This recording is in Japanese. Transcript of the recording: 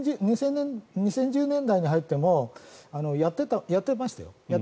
２０１０年代に入ってもやっていましたよ。